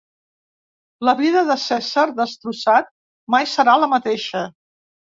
La vida de Cessar, destrossat, mai serà la mateixa.